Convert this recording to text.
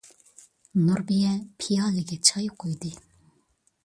نۇربىيە پىيالىگە چاي قۇيدى.